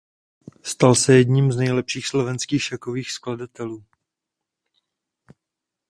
Stal se jedním z nejlepších slovenských šachových skladatelů.